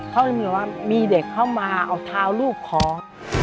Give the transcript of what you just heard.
เขาเรียกละว่ามีเด็กเข้ามาเอาเท้าลูกค้อง